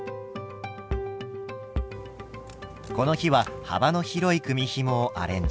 この日は幅の広い組みひもをアレンジ。